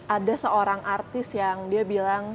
ada seorang artis yang dia bilang